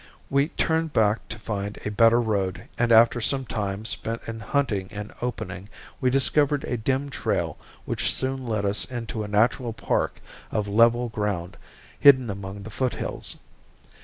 We turned back to find a better road and after some time spent in hunting an opening we discovered a dim trail which soon led us into a natural park of level ground hidden among the foothills.